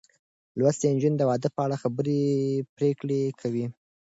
لوستې نجونې د واده په اړه خبرې پرېکړې کوي.